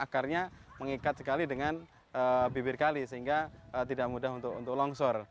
akarnya mengikat sekali dengan bibir kali sehingga tidak mudah untuk longsor